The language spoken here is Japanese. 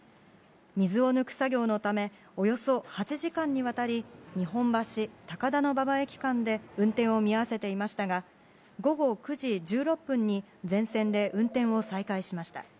水を抜く作業のため、およそ８時間にわたり、日本橋・高田馬場駅間で運転を見合わせていましたが、午後９時１６分に、全線で運転を再開しました。